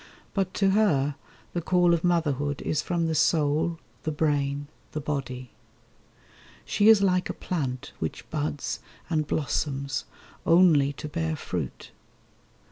But to her The call of Motherhood is from the soul, The brain, the body. She is like a plant Which buds and blossoms only to bear fruit.